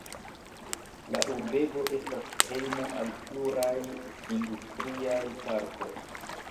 La urbego estas hejmo al pluraj industriaj parkoj.